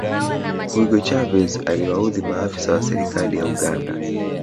hugo chavez aliwaudhi maafisa wa serikali ya uganda